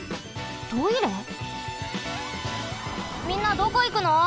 みんなどこいくの？